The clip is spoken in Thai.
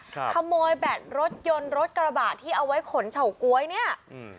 ขโมยแบตรถยนต์รถกระบะที่เอาไว้ขนเฉาก๊วยเนี้ยอืม